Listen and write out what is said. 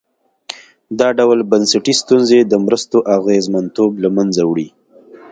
دا ډول بنسټي ستونزې د مرستو اغېزمنتوب له منځه وړي.